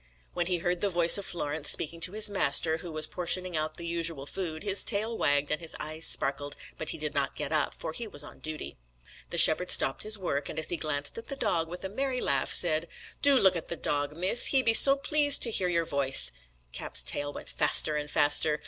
When he heard the voice of Florence speaking to his master, who was portioning out the usual food, his tail wagged and his eyes sparkled, but he did not get up, for he was on duty. The shepherd stopped his work, and as he glanced at the dog with a merry laugh, said, "Do look at the dog, Miss; he be so pleased to hear your voice." Cap's tail went faster and faster.